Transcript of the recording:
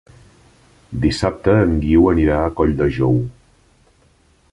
Dissabte en Guiu anirà a Colldejou.